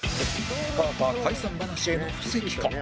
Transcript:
パーパー解散話への布石か？